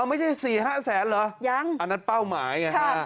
ไม่ใช่๔๕แสนเหรอยังอันนั้นเป้าหมายไงฮะ